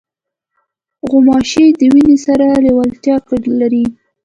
غوماشې د وینې سره لیوالتیا لري.